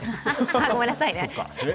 ごめんなさいね。